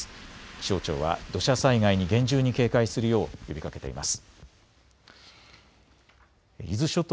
気象庁は土砂災害に厳重に警戒するよう呼びかけています。